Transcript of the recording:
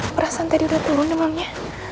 perasaan tadi udah turun emangnya